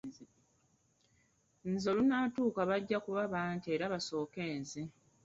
Nze olunaatuuka bajja kuba bantya era basooke nze.